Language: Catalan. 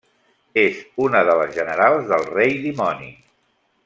És una de les generals del Rei Dimoni.